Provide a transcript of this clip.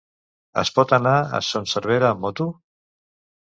Es pot anar a Son Servera amb moto?